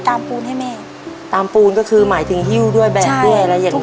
ตามปูนแหล่งนะ